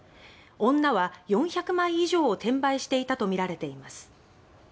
女は４００枚以上を転売していたとみられています。